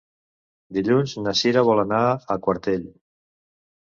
Dilluns na Sira vol anar a Quartell.